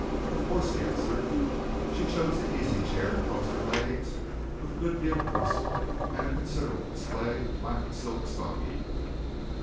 "Of course," he answered. She chose the easy chair, and crossed her legs with a good deal of rustle and a considerable display of black silk stocking.